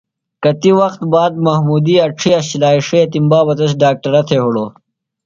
کتیۡ وخت باد محمودی اڇھیہ شِلا ݜِیتِم۔ بابہ تس ڈاکٹرہ تھےۡ ہِڑوۡ۔